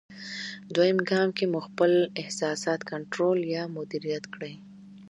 دوېم ګام کې مو خپل احساسات کنټرول یا مدیریت کړئ.